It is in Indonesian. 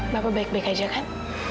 bapak baik baik aja kan